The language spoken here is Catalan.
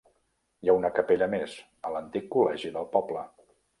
Hi ha una capella més: a l'antic col·legi del poble.